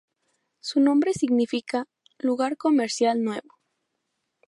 Su nombre significa "lugar comercial nuevo".